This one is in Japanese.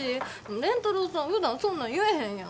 蓮太郎さんふだんそんなん言えへんやん。